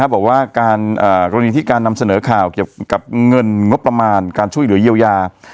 บอกว่ากรณีที่การนำเสนอข่าวเกี่ยวกับเงินงบประมาณการช่วยเหลือเยียวยา